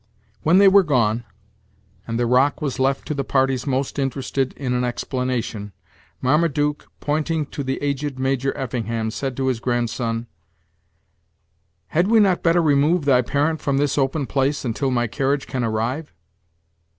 When they were gone, and the rock was left to the parties most interested in an explanation, Marmaduke, pointing to the aged Major Effingham, said to his grand son: "Had we not better remove thy parent from this open place until my carriage can arrive?"